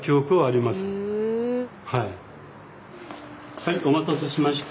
はいお待たせしました。